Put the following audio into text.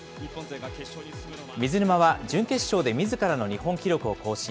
水沼は準決勝でみずからの日本記録を更新。